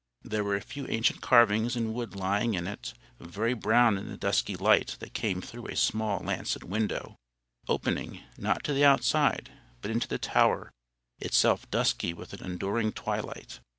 There were a few ancient carvings in wood lying in it, very brown in the dusky light that came through a small lancet window, opening, not to the outside, but into the tower, itself dusky with an enduring twilight.